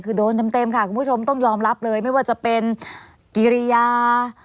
คือโดนเต็มค่ะคุณผู้ชมต้องยอมรับเลยไม่ว่าจะเป็นกิริยา